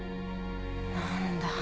何だ